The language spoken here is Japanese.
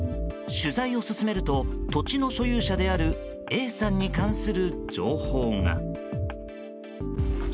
取材を進めると土地の所有者であるＡさんに関する情報が。